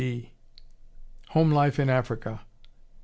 D., "Home Life in Africa."